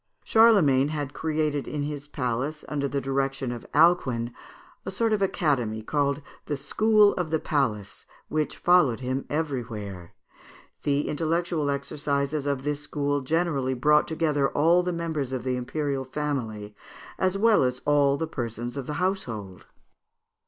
Charlemagne had created in his palace, under the direction of Alcuin, a sort of academy called the "School of the Palace," which followed him everywhere. The intellectual exercises of this school generally brought together all the members of the imperial family, as well as all the persons of the household.